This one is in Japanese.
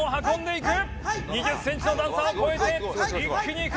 ２０センチの段差を越えて一気にいく！